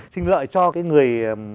sinh lợi cho cái người